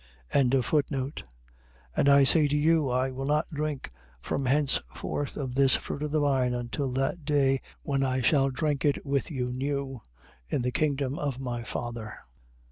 26:29. And I say to you, I will not drink from henceforth of this fruit of the vine until that day when I shall drink it with you new in the kingdom of my Father.